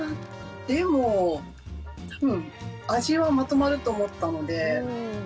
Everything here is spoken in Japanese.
でも多分味はまとまると思ったので。